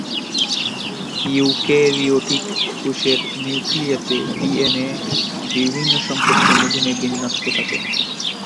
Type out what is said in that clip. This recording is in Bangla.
ইউক্যারিওটিক কোষের নিউক্লিয়াসে ডিএনএ বিভিন্ন সংখ্যক ক্রোমোজোমে বিন্যস্ত থাকে।